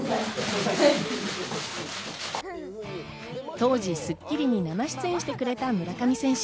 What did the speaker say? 当時『スッキリ』に生出演してくれた村上選手。